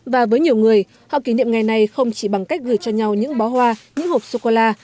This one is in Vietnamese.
và với nhiều người họ kỷ niệm ngày này không chỉ bằng cách gửi cho nhau những bó hoa những hộp sô cô la